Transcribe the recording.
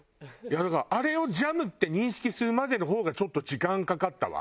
だからあれをジャムって認識するまでの方がちょっと時間かかったわ。